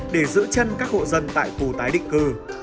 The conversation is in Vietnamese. để giữ chân các hộ dân tại khu tái định cư